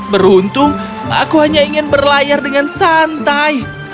beruntung aku hanya ingin berlayar dengan santai